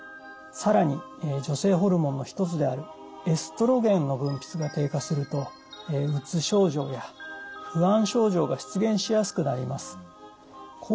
更に女性ホルモンの一つであるエストロゲンの分泌が低下するとうつ症状や不安症状が出現しやすくなります。